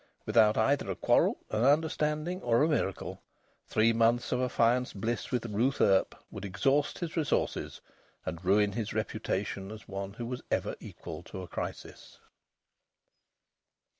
Without either a quarrel, an understanding, or a miracle, three months of affianced bliss with Ruth Earp would exhaust his resources and ruin his reputation as one who was ever equal to a crisis.